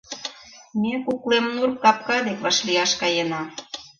Ме Куклемнур капка дек вашлияш каена.